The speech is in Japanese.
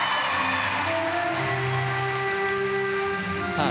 さあ